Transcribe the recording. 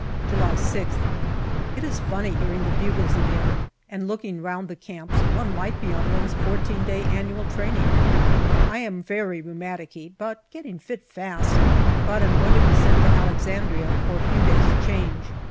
July 6th. It is funny hearing the bugles again, and looking round the camps, one might be on one's fourteen days' annual 11 162 GALLIPOLI DIARY training. I am very rheumaticky, but getting fit fast, but am going to be sent to Alexandria for a few days' change.